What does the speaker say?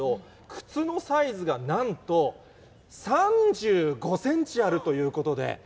靴のサイズがなんと、３５センチあるということで。